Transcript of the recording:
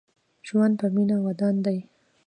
ژوند په مينه ودان دې